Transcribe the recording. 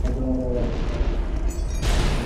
তুমি এখনও তাদের আগের দৃষ্টিতেই দেখছ।